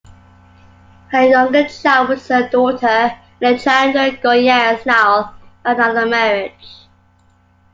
Her younger child was her daughter, Alejandra Goyanes Nile, by another marriage.